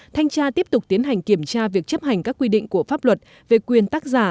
thanh tra tiếp tục tiến hành kiểm tra việc chấp hành các quy định của pháp luật về quyền tác giả